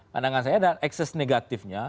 pandangan saya ekses negatifnya